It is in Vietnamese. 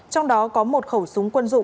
trong đó có một khẩu súng quân dụng